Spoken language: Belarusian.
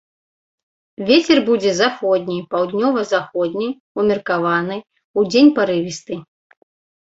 Вецер будзе заходні, паўднёва-заходні, умеркаваны, удзень парывісты.